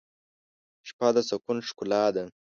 شپه د سکون ښکلا ده.